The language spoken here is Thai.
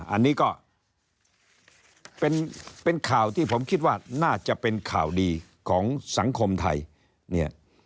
อันนี้ก็เป็นข่าวที่ผมคิดว่าน่าจะเป็นข่าวดีของสังคมไทยเนี่ย